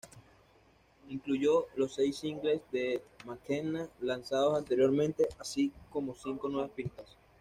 Incluyó los seis singles de McKenna lanzados anteriormente, así como cinco nuevas pistas.